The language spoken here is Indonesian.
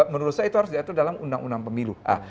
menurut saya itu harus diatur dalam undang undang pemilu